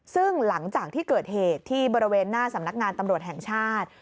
ซึ่งหลังจากที่เกิดเหตุที่บริเวณหน้าสำนักงานตำรวจแห่งชาติ